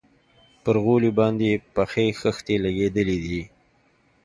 پر غولي باندې يې پخې خښتې لگېدلي دي.